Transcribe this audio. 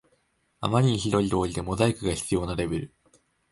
あまりにひどい料理でモザイクが必要なレベル